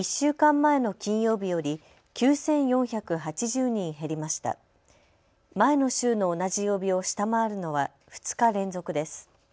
前の週の同じ曜日を下回るのは２日連続です。